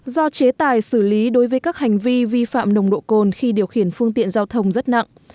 do chế tài xử lý đối với các hành vi vi phạm nồng độ cồn khi điều khiển phương tiện giao thông rất nặng